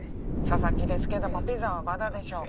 「佐々木ですけどもピザはまだでしょうか？」。